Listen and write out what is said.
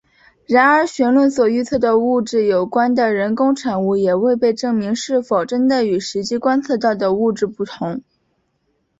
然而弦论所预测的物质有关的人工产物也未被证明是否真的与实际观测到的物质不相同。